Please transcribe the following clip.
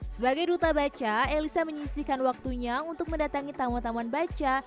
sebagai duta baca elisa menyisihkan waktunya untuk mendatangi taman taman baca